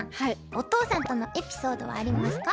お父さんとのエピソードはありますか？